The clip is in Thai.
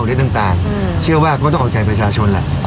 เรื่องต่างเชื่อว่าก็ต้องเอาใจประชาชนแหละ